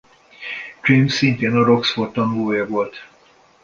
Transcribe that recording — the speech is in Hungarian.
James szintén a Roxfort tanulója volt.